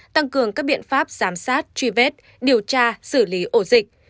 tăng cường các biện pháp giám sát truy vết điều tra xử lý ổ dịch